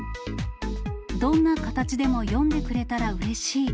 どんな形でも読んでくれたらうれしい。